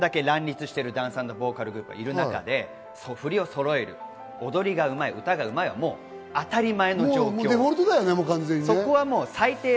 これだけ乱立しているダンス＆ボーカルグループがいる中で振りをそろえる、踊りがうまい、歌がうまいは当たり前。